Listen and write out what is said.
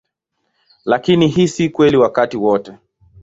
Lakini hii si kweli wakati wote.